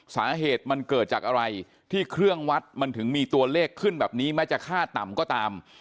สาเหตุมันเกิดจากอะไรที่เครื่องวัดมันถึงมีตัวเลขขึ้นแบบนี้แม้จะค่าต่ำก็ตาม